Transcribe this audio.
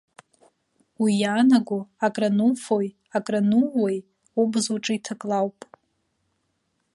Уи иаанаго, акрануфои акранууеи убз уҿы иҭакла ауп.